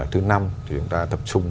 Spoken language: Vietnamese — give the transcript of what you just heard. thứ năm thì chúng ta tập trung